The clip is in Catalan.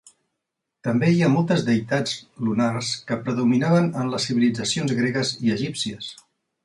També hi ha moltes deïtats lunars que predominaven en les civilitzacions gregues i egípcies.